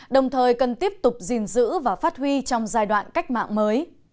đồng thời cần tiếp tục gìn giữ và phát huy trong giai đoạn cách mạng mới